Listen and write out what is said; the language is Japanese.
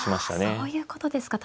そういうことですか。